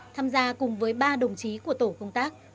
tham gia cùng với ba đồng chí của tổ công tác